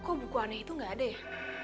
kau buku aneh itu gak ada ya